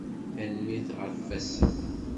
Tanemmirt ɣef wass-a.